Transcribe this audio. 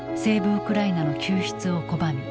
・ウクライナの救出を拒み